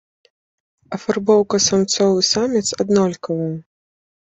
Афарбоўка самцоў і саміц аднолькавая.